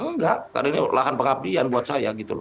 enggak karena ini lahan pengabdian buat saya